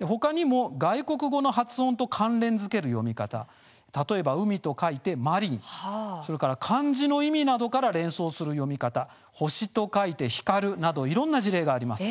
他にも外国語の発音と関連づける読み方例えば、海と書いてマリンなど漢字の意味などから連想する読み方、星と書いてヒカルなどいろいろな事例があります。